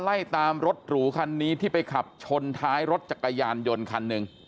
ไล่ตามรถหรูคันนี้ที่ไปขับชนท้ายรถจักรยานยนต์คันหนึ่ง